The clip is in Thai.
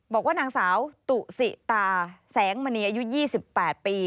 บอกว่านางสาวตุสิตาแสงมณีอายุ๒๘ปี